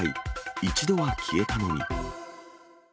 一度は消えたのに。